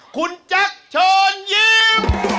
คุณจักรชนยิ้ม